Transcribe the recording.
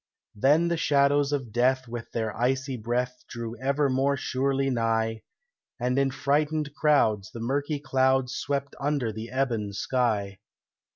Then the shadows of death with their icy breath Drew ever more surely nigh, And in frightened crowds the murky clouds Swept under the ebon sky.